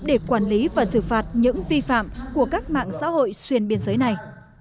để quản lý và xử phạt những vi phạm của các mạng xã hội xuyên biên giới này